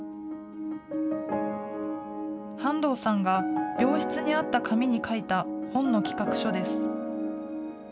半藤さんが病室にあった紙に書いた本の企画書です。